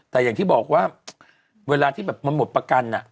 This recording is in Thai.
แต่อย่างที่บอกว่าเวลาที่แบบมันหมดประกัน